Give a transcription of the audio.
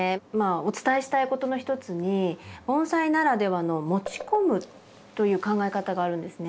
お伝えしたいことのひとつに盆栽ならではの「持ち込む」という考え方があるんですね。